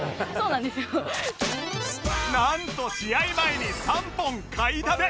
なんと試合前に３本買いだめ！